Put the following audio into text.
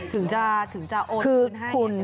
ถึงจะโอนคืนข้ากันเอง